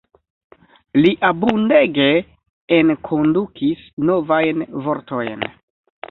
Li abundege enkondukis novajn vortojn.